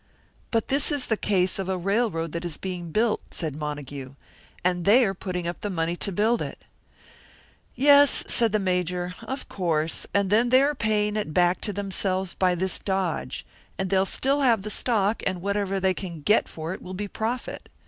"But this is the case of a railroad that is being built," said Montague; "and they are putting up the money to build it." "Yes," said the Major, "of course; and then they are paying it back to themselves by this dodge; and they'll still have the stock, and whatever they can get for it will be profit.